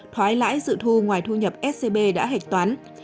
thoái lãi dự thu ngoài thu nhập scb đã hạch toán